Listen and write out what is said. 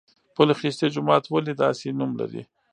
پل خشتي جومات ولې داسې نوم لري؟